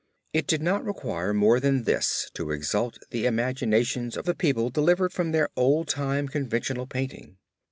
It did not require more than this to exalt the imaginations of the people delivered from their old time conventional painting.